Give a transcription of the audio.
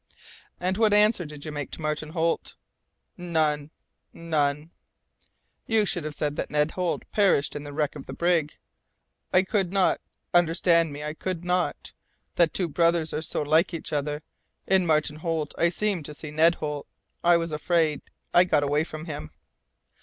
"And what answer did you make to Martin Holt?" "None, none!" "You should have said that Ned Holt perished in the wreck of the brig." "I could not understand me I could not. The two brothers are so like each other. In Martin Holt I seemed to see Ned Holt. I was afraid, I got away from him."